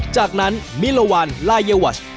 จากนั้นมิลวันลายวัช